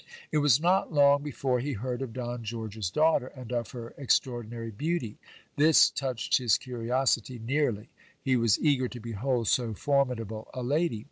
It was not long before he heard of Don George's daughter, and of her extra ordinary beauty. This touched his curiosity nearly ; he was eager to behold so formidable a lady.